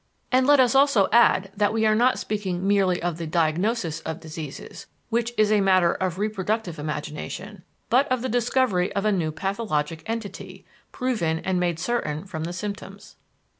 and let us also add that we are not speaking merely of diagnosis of diseases, which is a matter of reproductive imagination, but of the discovery of a new pathologic "entity," proven and made certain from the symptoms.